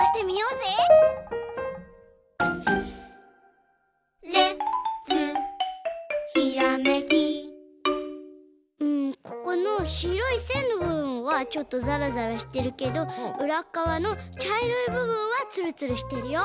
うんここのしろいせんのぶぶんはちょっとザラザラしてるけどうらっかわのちゃいろいぶぶんはツルツルしてるよ。